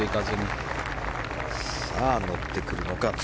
さあ、乗ってくるか。